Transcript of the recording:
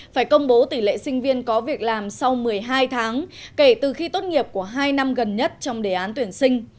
phải công bố tỷ lệ sinh viên có việc làm sau một mươi hai tháng kể từ khi tốt nghiệp của hai năm gần nhất trong đề án tuyển sinh